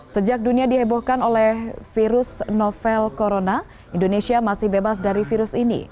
sejak dunia dihebohkan oleh virus novel corona indonesia masih bebas dari virus ini